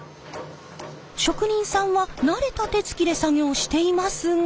職人さんは慣れた手つきで作業していますが。